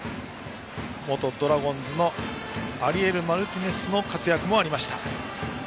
元ドラゴンズのアリエル・マルティネスの活躍もありました。